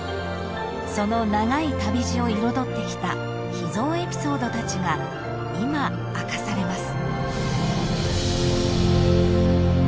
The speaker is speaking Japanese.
［その長い旅路を彩ってきた秘蔵エピソードたちが今明かされます］